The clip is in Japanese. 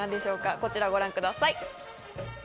こちらをご覧ください。